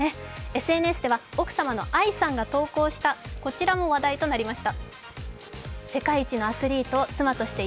ＳＮＳでは奥様の愛さんが投稿したこちらも話題になりました。